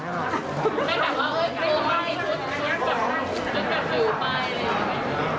ไม่แบบว่าเฮ้ยไม่ไหว